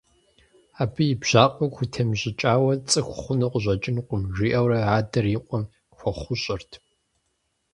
Абы и бжьакъуэр хутемыщӀыкӀауэ цӀыху хъуну къыщӀэкӀынукъым, – жиӀэурэ адэр и къуэм хуэхъущӀэрт.